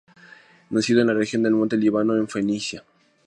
Nacido en la región del Monte Líbano en Fenicia.